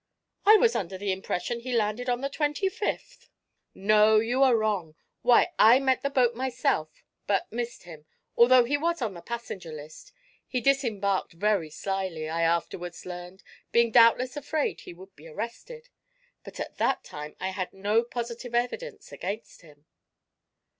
"I was under the impression he landed on the twenty fifth." "No; you are wrong. Why, I met the boat myself, but missed him, although he was on the passenger list. He disembarked very slyly, I afterward learned, being doubtless afraid he would be arrested. But at that time I had no positive evidence against him."